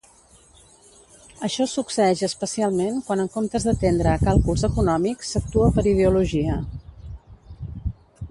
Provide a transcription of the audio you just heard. Això succeeix especialment quan en comptes d'atendre a càlculs econòmics, s'actua per ideologia.